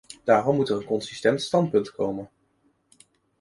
Daarom moet er een consistent standpunt komen.